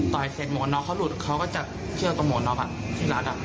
ต่อยเสร็จหมวดน้องเขาหลุดเขาก็จะเชื่อกับหมวดน้องที่ร้าน